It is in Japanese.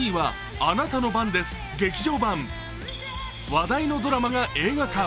話題のドラマが映画化。